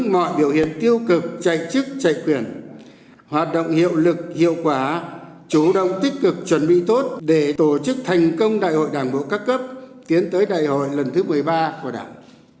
mọi biểu hiện tiêu cực chạy chức chạy quyền hoạt động hiệu lực hiệu quả chủ động tích cực chuẩn bị tốt để tổ chức thành công đại hội đảng bộ các cấp tiến tới đại hội lần thứ một mươi ba của đảng